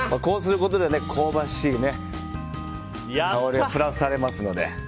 こうすることで香ばしい香りがプラスされますので。